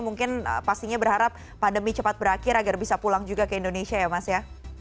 mungkin pastinya berharap pandemi cepat berakhir agar bisa pulang juga ke indonesia ya mas ya